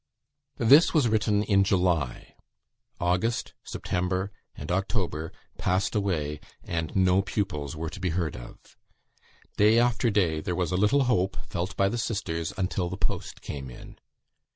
This was written in July; August, September, and October passed away, and no pupils were to be heard of. Day after day, there was a little hope felt by the sisters until the post came in.